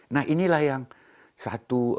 nah inilah yang satu